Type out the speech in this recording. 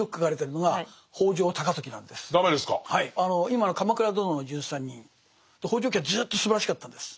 今の「鎌倉殿の１３人」北条家はずっとすばらしかったんです。